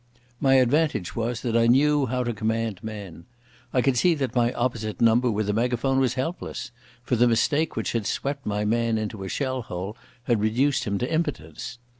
My advantage was that I knew how to command men. I could see that my opposite number with the megaphone was helpless, for the mistake which had swept my man into a shell hole had reduced him to impotence.